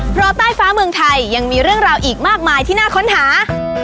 เพราะใต้ฟ้าเมืองไทยยังมีเรื่องราวอีกมากมายที่น่าค้นหา